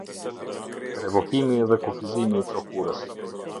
Revokimi dhe kufizimi i prokurës.